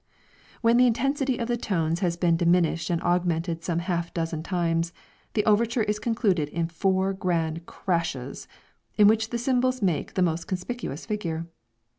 When the intensity of the tones has been diminished and augmented some half dozen times, the overture is concluded in four grand crashes, in which the cymbals make the most conspicuous figure.